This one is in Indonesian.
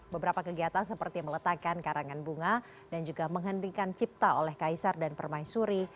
beberapa kegiatan seperti meletakkan karangan bunga dan juga menghentikan cipta oleh kaisar dan permaisuri